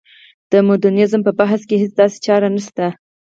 د مډرنیزم په بحث کې هېڅ داسې چاره نشته.